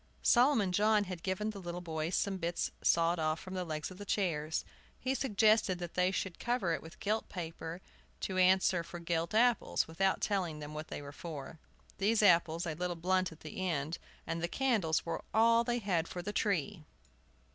Solomon John had given the little boys some of the bits sawed off from the legs of the chairs. He had suggested that they should cover them with gilt paper, to answer for gilt apples, without telling them what they were for. These apples, a little blunt at the end, and the candles were all they had for the tree!